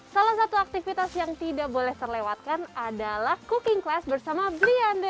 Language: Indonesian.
salah satu aktivitas yang tidak boleh terlewatkan adalah cooking class bersama briande